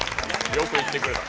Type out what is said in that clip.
よくいってくれた。